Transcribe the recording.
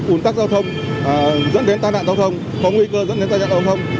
ủn tắc giao thông dẫn đến tai nạn giao thông có nguy cơ dẫn đến tai nạn giao thông